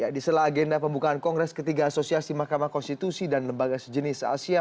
di sela agenda pembukaan kongres ketiga asosiasi mahkamah konstitusi dan lembaga sejenis asia